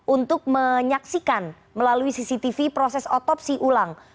untuk menyaksikan melalui cctv proses otopsi ulang